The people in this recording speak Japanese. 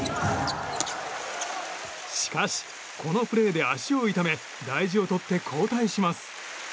しかし、このプレーで足を痛め大事をとって交代します。